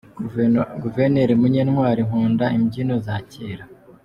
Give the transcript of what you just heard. Guverineri Munyantwali: Nkunda imbyino za kera.